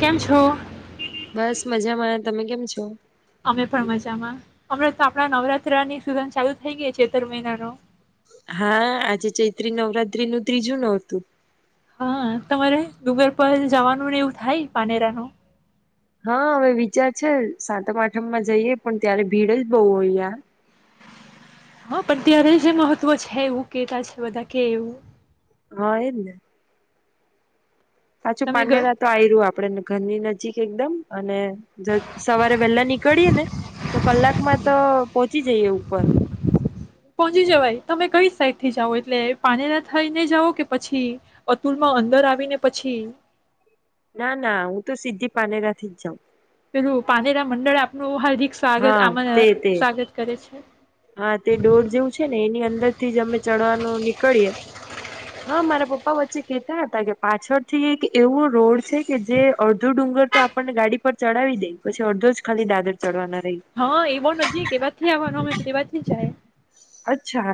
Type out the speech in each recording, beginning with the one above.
કેમ છો? બસ મજામાં. તમે કેમ છો.? અમે પણ મજામાં. અમણાં તો આપણા નવરાત્રની સુઝન ચાલુ થઈ ગઈ છે. તર મહિના નો. હા! આજે ચૈત્રી નવરાત્રી નું ત્રીજું નોરતું. હા તમારે ડુંગર પર જવાનું ને એવું થાય પાનેરા નો? હા હવે વિચાર છે. સાતમ આઠમ માં જઈએ. પણ, ત્યારે ભીડ જ બહુ હોય યાર. હા પણ, ત્યારે જ મહત્વ છે. એવું કેતા છે બધા કે એવું. હા એજ ને. પાછું તમે ગ પાનેરા તો આ રહ્યું આપડે, ઘરની નજીક એકદમ અને સવારે વેલા નીકળીએે ને તો, કલાકમાં તો પહોંચી જઈએ ઉપર. પહોંચી જવાય. તમે કઈ સાઈડ થી જાઓ? એટલે પાનેરા થઈને જાઓ, કે પછી અતુલ માં અંદર આવીને પછી, ના ના હું તો સીધી પાનેરાથી જ જાઉ. પેલું, પાનેરા મંડળ આપનું હાલ હા તે તે છે. હા તે ડોર જેવું છે ને, એની અંદર થી જ અમે ચડવાનું નીકળીયે હા મારા પપ્પા વચ્ચે કેહેતા હતા કે પાછળ થી એક એવો રોડ છે કે, જે અડધો ડુંગર તો આપણને ગાડી પર ચડાવી દે. પછી અડધો જ ખાલી દાદર ચડવાના હતા. હા એવો નજીક એવાથી આવવાનો અમે તો તેવા જાય. અચ્છા.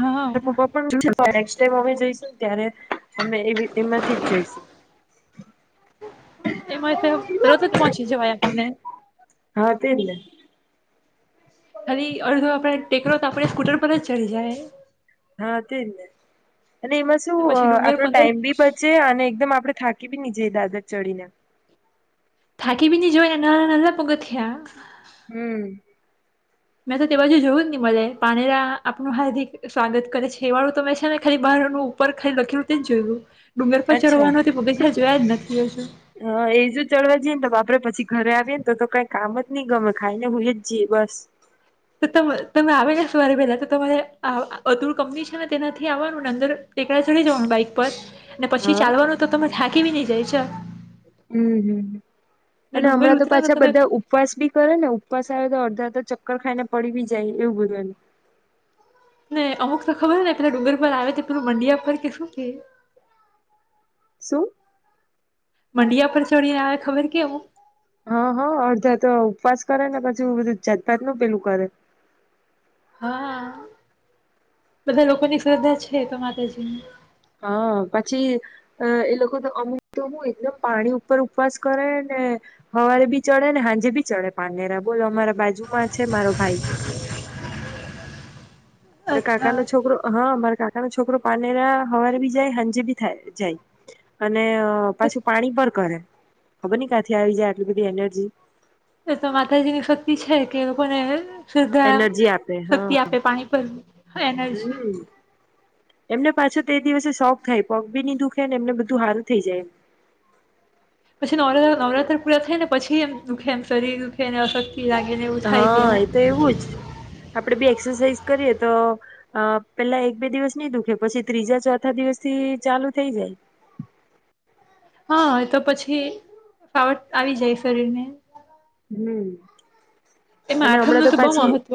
હા. પપ્પા પણને ટાઈમ અમે જઈશુ. ત્યારે. અમે એવી એમાંથી જ જઈશું એમાં તો તરત જ પહોંચી જવાય આપણને [inaudible] હા તે ખાલી અડધ આપણે ટેકરો તો આપણે સ્કૂટર પર જ ચડી જાય. હા તેનેને. અને એમાં શું પછી ડુંગર આપણો પંદર ટાઈમ બી બચે અને એકદમ આપડે થાક બી નીચે દાદર ચડીને થાકી બીની જોઈ ને નાળ નાલા પગથિયાં હમ. મેં તો તે બાજુ જોયું ને મને પાનેરા આપનું હાર્દિક સ્વાગત કરે છે એ વાળું તો મેં છે ને ખાલી બહારનું ઉપર ખાલી લખલું તે જ જોયું. ડુંગર પર અચ્છા ચડવાનો તે પગથિયાં જોયા જ નથી હજુ હ એજ ચડવા જઈએને તો બાપા આપડે પછી ઘરે આવીએને તો કઈ કામ જ નહી ગમે ખાઈને હુંઈ જ જઈએ બસ તો તમે આવે સવારે પહેલા તો તમારે અતુર કંપની છે ને તેનાથી આવવાનું ને અંદર ટેકડા ચડી જવાનું બાઈક પર ને પછી હા ચાલવાનું તો તમે થાકીવી નહી જય છે. હમમ ને અને ડુંગર હમણાં તો ઉતરે ને પાછા તમે બધા ઉપવાસ બી કરે ને ઉપવાસ આવે તો અડધા અડધા ચ કકર ખાઈ ને પડી બી જાય એવું બધું એ અમુક તો ખબર ને પેલા ડુંગર પર આવે તો પેલું મંડિયા પર કે શું કે શું? મંડિયા પર ચડીને આવે ખબર કેવું. હા હા અડધા તો ઉપવાસ કરે ને પછી બધું જાતપાત ન પેલું કરે. હા બધા લોકોની શ્રદ્ધા છે તો માતાજી ની હા પછી એ લોકો અમુ તો હું એકદમ પાણી ઉપર ઉપવાસ કરે ને હવારે બી ચડે ને હાંજે બી ચડે પાનેરા બોલો અમારા બાજુમાં છે મારો ભાઈ અરે કાકા અચ્છા નો છોકરો હા અમારે કારણ છોકરો પાને ના હવારે બી જાય સાંજે બી થાય જાય. અને પાછું પાણી પર કરે. ખબર નઈ કાંથી આવી જાય, આટલી બધી એનર્જી. એ તો માતાજી ની શક્તિ છે કે, એ લોકોને. શ્રદ્ધા એનર્જી આપે હા શક્તિ આપે, પાણી પર એનર્જી. હમ એમને પાછો તે દિવસે શોખ થાય, પગ બી ની દુઃખે ને એમને બધું હારુ થઈ જાય. પછી નવ નવરાત્ર પૂરા થાય ને પછી એમ દુખે, એમ શરીર દુઃખેને અશક્ત. હા, એ તો એવું જ આપડે બે. એક્સરસાઇઝ કરીએ તો પેલા એક બે દિવસ નહીં દુખે, પછી ત્રીજા ચોથા દિવસથી ચાલુ થઈ જાય. હા, તો પછી ફાવટ આવી જાય શરીર ને. હમ. અને હમણાં આઠમનું તો બહુ પાછી મહત્વ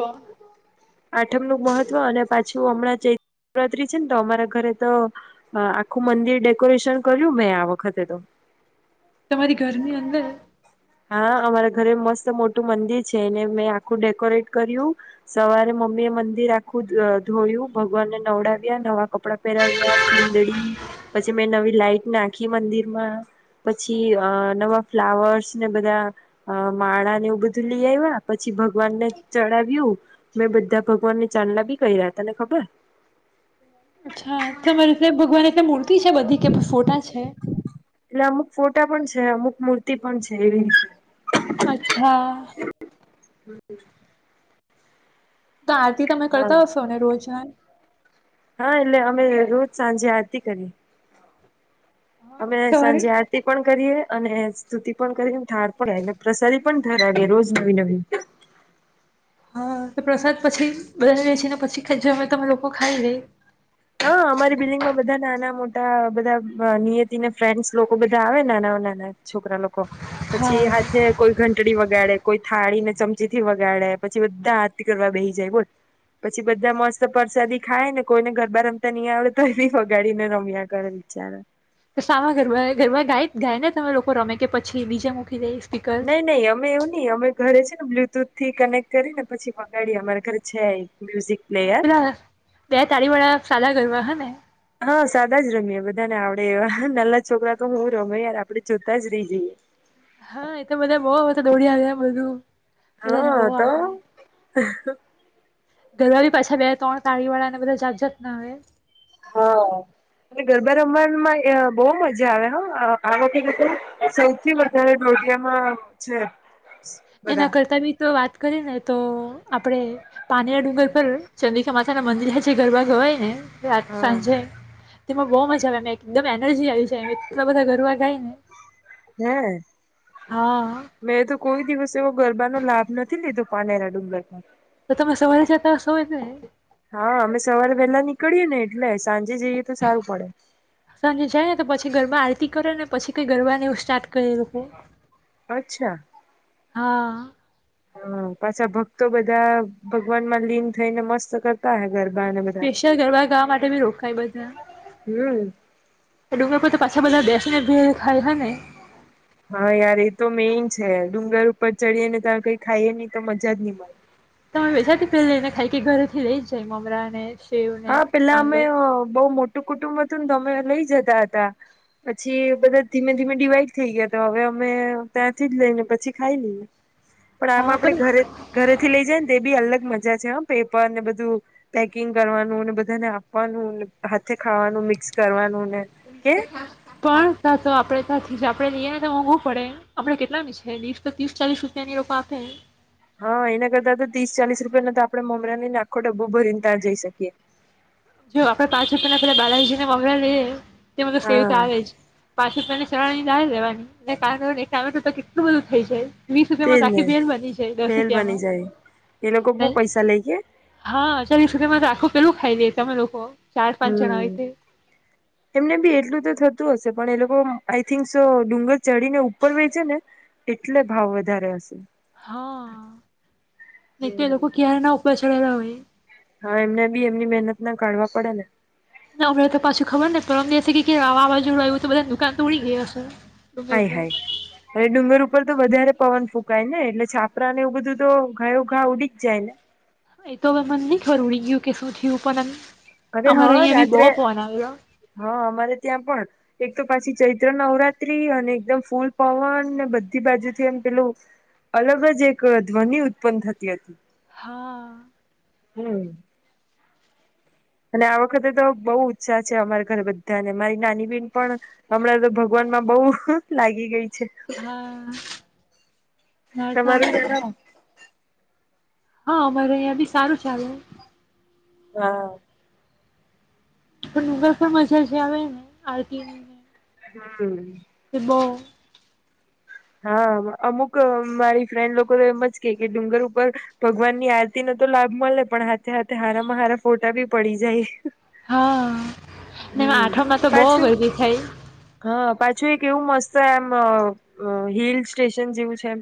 આઠમ નું મહત્વ અને પાછી. શું હમણાં ચૈત્ર નિવરાત્રી છે ને, તો અમારા ઘરે તો આખું મંદિર ડેકોરેશન કર્યું મેં આ વખતે તો. તમારી ઘરની અંદર. હા, અમારા ઘરે મસ્ત મોટું મંદિર છે એને મેં આખું ડેકોરેટ કર્યું. સવારે મમ્મી એ મંદિર આખું ધોયું, ભગવાનને નવડાવ્યા, નવા કપડાં પહેરાવ્યા, ચુંદડી. પછી મેં નવી લાઈટ નાખી મંદિર માં, પછી નવા ફ્લાવર્સ ને બધા માળા ને એવું બધું લઈ આવ્યા, પછી ભગવાન ને ચડાવ્યું. મેં બધા ભગવાન ને ચાંદલા બી કર્યા, તને ખબર અચ્છા, તમારે ભગવાન એટલે મૂર્તિ છે બધી કે પણ ફોટા છે? એટલે અમુક ફોટા પણ છે, અમુક મૂર્તિ પણ છે એવી. અચ્છા. હમ. તો આરતી તમે કરતા હશો ને રોજના? હા, એટલે અમે રોજ સાંજે આરતી કરી. અમે સવારે સાંજે આરતી પણ. કરી અને સ્તુતિ પણ કરી, પણ પ્રસાદી ધરાવીએ રોજ નવી નવી. હા, પ્રસાદ પછી બનાવીએ છીએ, પછી જો અમે તમે લોકો ખાઈ રહી. હા, અમારી બિલ્ડિંગમાં બધા નાના- મોટા. બધા નિયતિને ફ્રેન્ડસ લોકો બધા આવે, નાના નાના છોકરા લોકો. હા પછી હાથે કોઈ ઘંટડી વગ વગાડે, કોઈ થાળી ને ચમચી થી વગાડે, પછી બધા આરતી કરવા બેહી જાય, બોલ પછી બધા મસ્ત પરસાદી ખાય ને કોઈને. બ રમતા નહી આવડે તો એ બી વગાડી ને રમ્યા કરે, બચારા. તો સામા ગરબા ગરબા ગાય ગાયને તમે લોકો રમે કે પછી બીજે મૂકી દઈશ. નઈ, નહીં, અમે એવું નહી, અમે. ઘરે છે ને બ્લુટૂથ થી કનેક્ટ કરી ને પછી વગાડી, અમારા ઘરે છે. મ્યુઝિક હા, પ્લેયર પેલા બે તારી વાળા સાદાગર મા હમણાં. [inaudible] હા, સાદા જ રમીએ, બધાને આવડે. એ નાના છોકરા તો હું રમવા યાર આપડણે જોતા જ રહી જઈએ. હા, એ તો બધા બઉ દોડી આવ્યા, બધું. બધાને બહુ આવડે. હ. ઘરવાળી પાછા બે ત્રણ તાળી વાળા ને બધા જાગજાત ના આવે. હા અને ગરબા રમવામાં બહુ મજા આવે આ વખતે સૌથી વધારે દોડિયામાં છે. એના બધા કરતા બી તો વાત. કરી ને તો આપડે પાનેરા ડુંગર પર ચંદ્રિકા માતા ના મંદિર જે ગરબા ગવાય ને. રાત હા સાંજે. તેમાં બહુ મજા આવે એકદમ એનર્જી આવી જાય એટલા બધા ગરવા ગાય ને. હે હા મેં તો કોઈ દિવસ. તે ગરબાનો લાભ નથી લીધો પાનેરા ડુંગરમાં. તો તમે સવારે છેતા સ હોય ને. કરીને એટલે. સાંજે જઈએ તો સારું પડે સાંજે જાય ને તો પછી ઘરબ કરે ને પછી કઈ ગરબની એવું સ્ટાર્ટ કરે લોકો. અચ્છા. હા. હ પાછા ભક્તો બધા ભગવાન માં લીન થઈને મસ્ત કરતા હે ગરા. સ્પેશિયલ ગરબા ગાવા માટે બી રોકાય બધા. હમ ડુંગા પર તો પાછા બધા બેસીને ભી ખાય હ ને હા યાર એ તો મેઈન છે ડુંગર ઉપર ચડીએ ને તારે કઈ ખાઈ નહી તો મજા જ નહી મળે. તમેાથી પેલા એને ખાઈ કે ઘરે થી લઈ જાય મમરાને. હા પેલા અમે બઉ મોટી. ટુ કુટુંબ હતું ને તો અમે લઈ જતા હતા પછી બધા ધીમે ધીમે ડીવાઈડ થઈ ગયા હતા હવે અમે ત્યાંથી જ લઈ ને પછી ખાઈ લઈએ. પણ આમાં આપડે ઘરે ઘરેથી લઈ જાય ને તો બી અલગ મજા છે પેપર ને બધું પેકિંગ કરવાનું બધાને આપવાનું હાથે ખાવાનું મિક્સ કરવાનું ને કે પણ ત્યાં તો આપડે ત્યાંથી જ આપ આપડણે જઈએ ને તો મોંઘવું પડે આપડણે કેટલાની છે વીસ તો ત્રીસ ચાલીસ રૂપિયાની રોપ આપે હા એના કરતા તો ત્રીસ ચાલીસ રૂપિયા ના તો આપણે મમરાની ને આખો ડબબો ભરીનેતા જઈ શકીયએ. જો આપે પાંચ રૂપિયાને પેલા બાલાજી ને મમરા લે તેમાં તો સેવ તો હા આવે જ પાછું મને ચા જાયવાય. ના કાર ક તું તો [inaudible] એટલું બધું થઈ જાય. વીસ તેજ રૂપિયામાં તો ને આખી બેલ બની છે દસ ભેલ બની રૂપિયામાં જાય એ લોકો બહુ નહી પૈસા લે કે હા ચાલીસ રૂપિયામાં તો આખું પેલો ખાઈ દે. તમા લોકો હ હમ એમને બી એટલું તો થતું હશે. પણ એ લોકો આઈ થિંક ડુંગર ચઢીને ઉપર વેચે છેે ને એટલે ભાવ વધારે હશે. હા નહીં તો એ હમ લોકો ક્યારના ઉપર ખલા હોય હા એમને બી એમની મહેનત ના કાઢવા પડે ને અમને તો પાછી ખબર નને પરમ દેશે કે વાવાઝોડું આવ્યું તો બધા દુકાન તો ઉડી ગઈ હશે હય ડુંગર પર હાય હવે ડુંગર ઉપર તો વધારે પવન ફૂક ને એટલે છાપરા એવું બધું તો ઘાયો ઘા ઉડી જ જાય ને. એ તો હવે મને નહી ખરું રડી ગયું કે શું થયું પણ હવે અમારે હા અહિયાં બી બહુ રાત્રે પવન આવેલો હા અમારે ત્યાં પણ એક તો પાછી ચૈત્ર નવરાત્રી અને એકદમ ફૂલ પવન બધી બાજુથી એમ પેલું અલગ જ એક ધ્વનિ ઉત્પન્ન થતી હતી હા હું અને આ વખતે તો બહુ ઉત્સાહ છે અમારા ઘરે બધાને મારી નાની બેન પણ હમણાં તો ભગવાનમાં બહુ લાગી ગઈ છે હા નરસો આવે તમારું ને છે જણાવો હા અમારે અહીંયા બી સારું ચાલું હા પણ ઉગા પણ મજા જે આવે ને આરતીની ને હું શ બો હા અમુક મારી ફ્રેન્ડ લોકો તો એમ જ કે કે ડુંગર ઉપર ભગવાન ની આરતી ન તો લાભ મળે પણ હથે હાથે હારામાં હારા ફોટા ભી પડી જાય હા હમ આઠો માં તો બહ બધી થાય કેવું મસ્ત એમ અ હિલ સ્ટેશન જેવું છેમ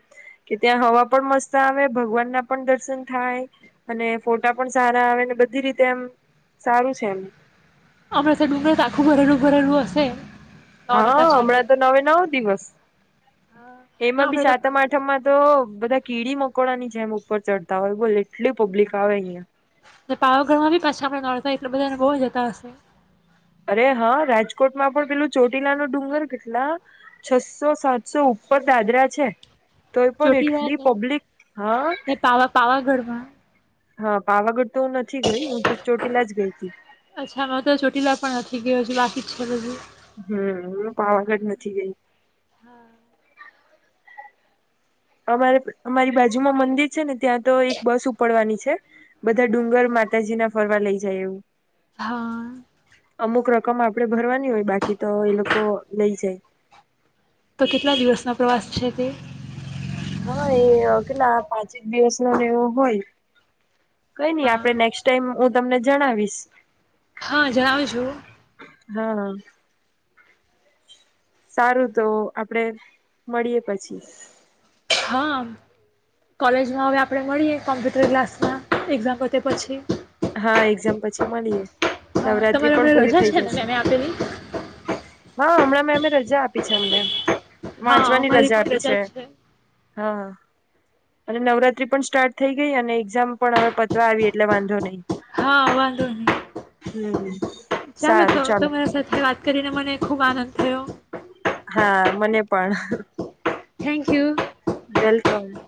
કે ત્યાં હવા પણ મસ્ત આવે ભગવાનના પણ દર્શન થાય અને ફોટા પણ સારા આવે અને બધી રીતે એમ સારું છે એમ અમરા સારા આખું ઘરેલું ઘરેનુંું હશે નોરતા હા ચાલે હમણાં તો છે નવે નવ દિવસ હા ને એમાં બી હમણાં સાતમ આઠમમાં તો બધા કીડી મકોડાની જેમ ઉપર ચડતા હોય બોલે પાવ ગરમાં બી પાછી આપડ એટલે બધાને બહુ જતા હશે અરે હા રાજકોટમાં પણ પેલું ચોટીલા ન ડુંગર કેટલા છસો સાતસો ઉપર દાદરા છે તોય પણ એટલી ચોટીલા પબ્લિક હા હ હા પાવગુટ અચ્છા હ તો ચોટીલા પણ નથી ગયો છું લ્ટ ટ્યા લ હમ હ પાવાગઢ નથી ગઈ. હા. અમારે અમારી બાજુમાં મંદિર છેને. ત્યાં તો એક બસ ઉપડવાની છે બધા ડુંગર માતાજી ના ફરવા લઈ. જેું. હા. રકમ આપડે ભરવાની હોય બાકી તો એ લોકો લઈ જાય. તો કેટલા દિવસનો પ્રવાસ છે. તે. હા એગલા પાંચેક દિવસ નોનેવો હોય. કઈ નઈ આપણે હા નેક્સ્ટ ટાઈમ. તમને જણાવીશ. હા જણાવીશ હું. હ. સારું તો આપડે મળીએ પછી. હા કોલેજમાં હવે આપણે મળીએ કોમ્પ્યુટર ક્લાસમાં એક્ઝામ પતે પછી. હા, એક્ઝામ પછી મલીએે. હ તમારે હમણાં રજા છે મેમે એને આપેલી હા હમણાં મેં એમને રજા આપી છે અમણે. હા વાંચવાની અમારી રજા પણ આપી છે જ હા. અને નવરાત્રી પણ સ્ટાર્ટ થઈ ગઈ અને એક્ઝામ પણ હવે પતવા આવી એટલે વાંધો નહીં. હા વાંધો હમ. નહી ચાલો તો તમારા સાથે વાત કરીને મને ખુબ આનંદ હલો. હા મને પણ. Thank you. કમ.